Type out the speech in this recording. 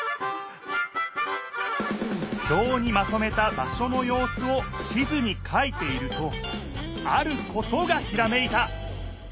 ひょうにまとめた場所のようすを地図にかいているとあることがひらめいた！